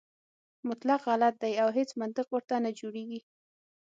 مطلق غلط دی او هیڅ منطق ورته نه جوړېږي.